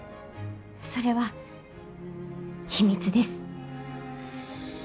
それは秘密です。